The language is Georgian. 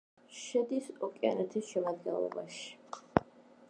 შედის ოკეანეთის შემადგენლობაში.